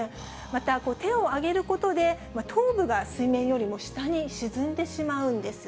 また手を上げることで、頭部が水面よりも下に沈んでしまうんです。